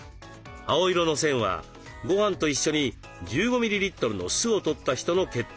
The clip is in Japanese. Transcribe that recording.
青色の線はごはんと一緒に１５ミリリットルの酢をとった人の血糖値。